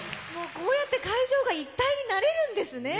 こうやって会場が一体になれるんですね。